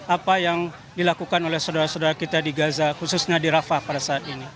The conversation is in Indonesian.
apa yang dilakukan oleh saudara saudara kita di gaza khususnya di rafah pada saat ini